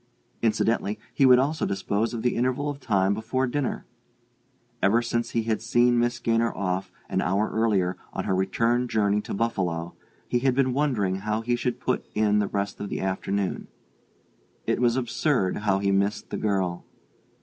Incidentally, he would also dispose of the interval of time before dinner: ever since he had seen Miss Gaynor off, an hour earlier, on her return journey to Buffalo, he had been wondering how he should put in the rest of the afternoon. It was absurd, how he missed the girl....